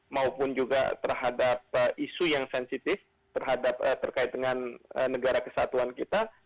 maupun juga terhadap isu yang sensitif terkait dengan negara kesatuan kita